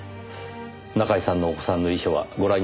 中居さんのお子さんの遺書はご覧になりましたか？